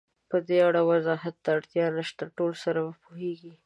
پدې اړه وضاحت ته اړتیا نشته، ټول سره پوهېږو.